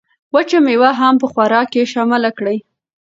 وچه مېوه هم په خوراک کې شامله کړئ.